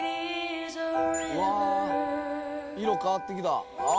うわ色変わってきた。